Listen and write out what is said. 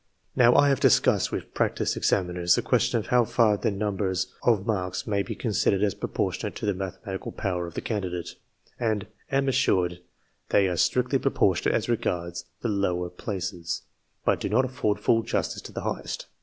Now, I have discussed with practised examiners the question of how far the numbers of marks may be considered as proportionate to the mathematical power of the candidate, and am assured they are strictly proportionate as regards the lower places, but do not afford full justice to the highest.